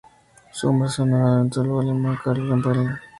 Su nombre hace honor al ornitólogo alemán Carlo von Erlanger.